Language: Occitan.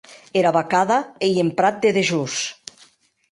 Era vacada ei en prat de dejós.